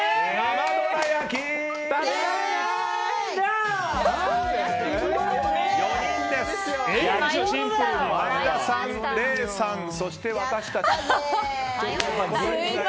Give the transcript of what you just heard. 前田さん、礼さん、そして私たち。